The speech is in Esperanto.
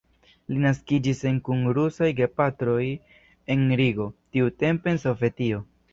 Li naskiĝis en kun rusaj gepatroj en Rigo, tiutempe en Sovetio.